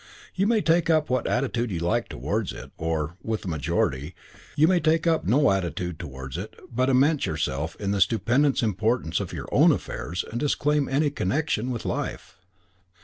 You may take up what attitude you like towards it or, with the majority, you may take up no attitude towards it but immerse yourself in the stupendous importance of your own affairs and disclaim any connection with life.